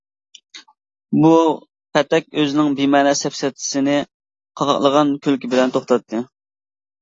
بۇ پەتەك ئۆزىنىڭ بىمەنە سەپسەتىسىنى قاقاقلىغان كۈلكە بىلەن توختاتتى.